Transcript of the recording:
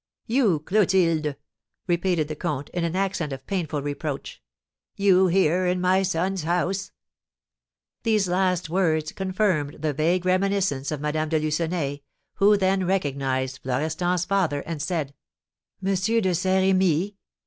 "You, Clotilde!" repeated the comte, in an accent of painful reproach; "you here, in my son's house!" These last words confirmed the vague reminiscence of Madame de Lucenay, who then recognised Florestan's father, and said: "M. de Saint Remy?"